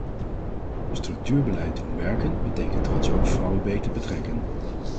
Structuurbeleid doen werken betekent trouwens ook vrouwen beter betrekken.